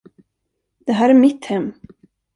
Det här är mitt hem!